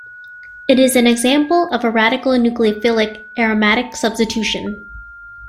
It is an example of a radical-nucleophilic aromatic substitution.